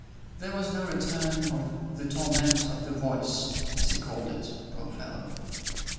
There was no return of "the torment of the voice" as he called it, poor fellow.